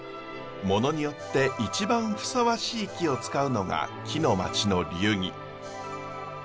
ものによって一番ふさわしい木を使うのが木の町の流儀。